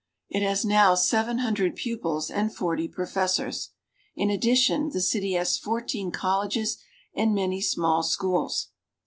It has now seven hundred pupils and forty professors. In addition the city has fourteen colleges and many small schools.